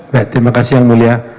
baik terima kasih yang mulia